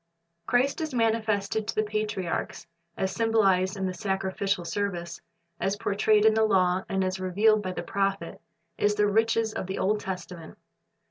Christ as manifested to the patriarchs, as symbolized in the sacrificial service, as portrayed in the law, and as revealed by the prophets, is the riches of the Old Testament.